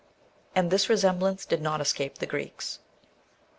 '* And this resemblance did not escape the Greeks.